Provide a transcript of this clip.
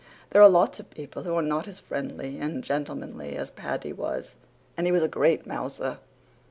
There are lots of people who are not as friendly and gentlemanly as Paddy was, and he was a great mouser.